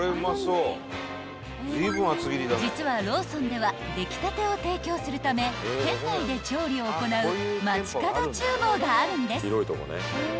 ［実はローソンでは出来たてを提供するため店内で調理を行うまちかど厨房があるんです］